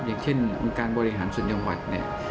อย่างเช่นองค์การบริหารส่วนจังหวัดเนี่ย